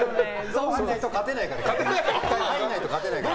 ゾーン入らないと勝てないから。